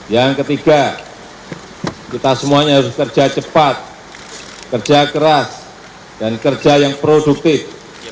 yang ketiga kita semuanya harus kerja cepat kerja keras dan kerja yang produktif